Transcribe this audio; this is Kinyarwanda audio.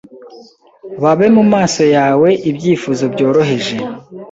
Babe mumaso yawe Ibyifuzo byoroheje